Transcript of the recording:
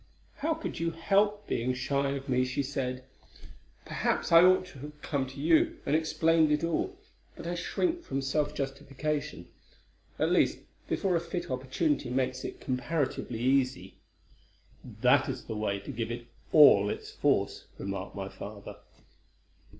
"How could you help being shy of me?" she said. "Perhaps I ought to have come to you and explained it all; but I shrink from self justification, at least before a fit opportunity makes it comparatively easy." "That is the way to give it all its force," remarked my father.